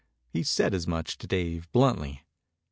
He said as much to Dave bluntly.